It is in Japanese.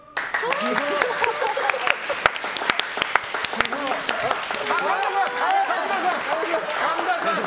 すごい！神田さん！